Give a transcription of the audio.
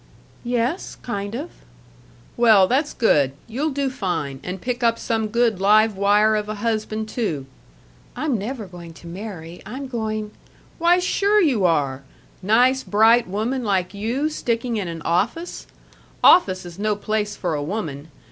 "Yes kind of." "Well, that's good. You'll do fine, and pick up some good live wire of a husband, too " "I'm never going to marry. I'm going " "Why, sure you are! Nice, bright woman like you sticking in an office! Office is no place for a woman.